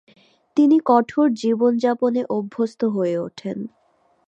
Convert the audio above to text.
তিনি কঠোর জীবন যাপনে অভ্যস্ত হয়ে ওঠেন।